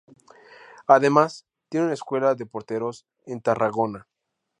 Además tiene una escuela de porteros en Tarragona.